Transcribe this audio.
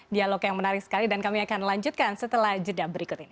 dialog yang menarik sekali dan kami akan lanjutkan setelah jeda berikut ini